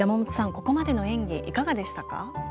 ここまでの演技いかがでしたか？